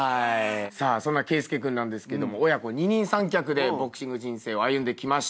さあそんな圭佑君なんですけども親子二人三脚でボクシング人生を歩んできました。